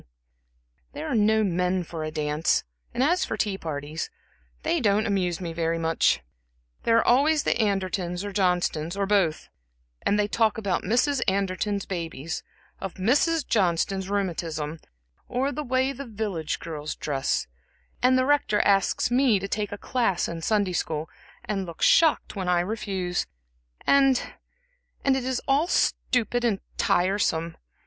"There are no men for a dance, and as for the tea parties they don't amuse me very much. There are always the Andertons, or Johnstons, or both; and they talk about Mrs. Anderton's babies, of Mrs. Johnston's rheumatism, or the way the village girls dress; and the Rector asks me to take a class in Sunday school, and looks shocked when I refuse; and and it is all stupid and tiresome.